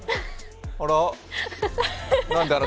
あら？